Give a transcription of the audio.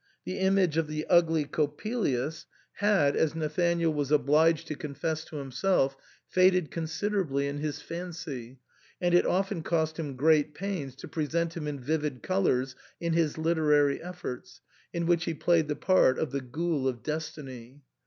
The image of the ugly Coppelius had, as Nathanael was obliged to confess to himself, faded considerably in his fancy, and it often cost him great pains to present him in vivid colours in his literary efforts, in which he played the part of the ghoul of Destiny.